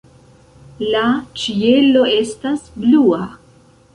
La ĉielo estas blua.